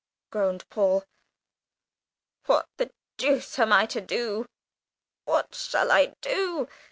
groaned Paul. "What the dooce am I to do? What shall I do?